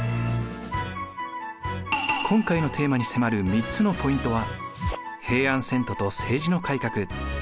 今回のテーマに迫る３つのポイントは。